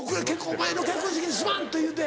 「お前の結婚式にすまん！」って言うて。